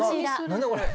何だこれ？